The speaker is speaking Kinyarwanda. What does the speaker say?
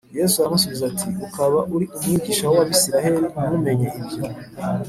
Yesu aramusubiza ati, “Ukaba uri umwigisha w’Abisiraheli ntumenye ibyo?